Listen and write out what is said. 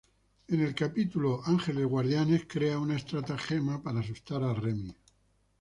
En el capítulo "Guardian Angels", crea una estratagema para asustar a Remy.